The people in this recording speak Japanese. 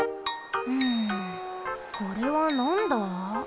んこれはなんだ？